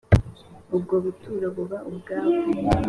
ubwo buturo buba ubwabo.